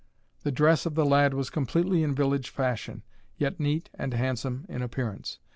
The dress of the lad was completely in village fashion, yet neat and handsome in appearance.